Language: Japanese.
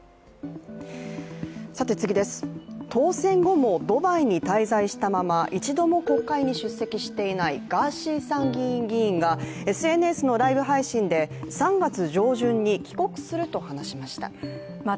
当選後もドバイに滞在したまま一度も国会に出席していないガーシー参議院議員がＳＮＳのライブ配信で３月上旬に帰国すると話しました。